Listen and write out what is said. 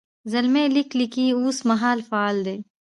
زلمی لیک لیکي اوس مهال فعل دی.